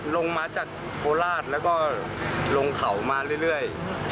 ลงมาจากโคราชแล้วก็ลงเขามาเรื่อย